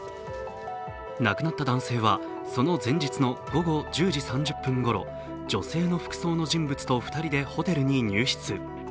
亡くなった男性はその前日の午後１０時３０分ごろ、女性の服装の人物と２人でホテルに入室。